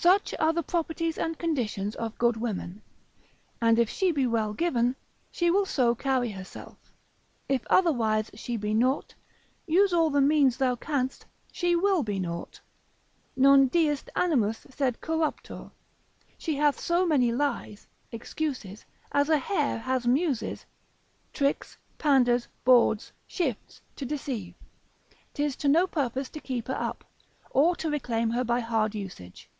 Such are the properties and conditions of good women: and if she be well given, she will so carry herself; if otherwise she be naught, use all the means thou canst, she will be naught, Non deest animus sed corruptor, she hath so many lies, excuses, as a hare hath muses, tricks, panders, bawds, shifts, to deceive, 'tis to no purpose to keep her up, or to reclaim her by hard usage.